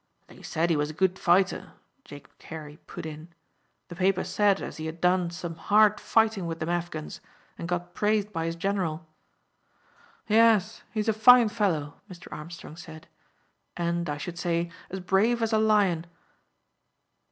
"They said he was a good fighter," Jacob Carey put in. "The papers said as he had done some hard fighting with them Afghans, and got praised by his general." "Yes, he's a fine fellow," Mr. Armstrong said, "and, I should say, as brave as a lion."